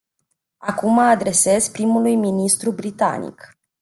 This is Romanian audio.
Acum mă adresez primului ministru britanic.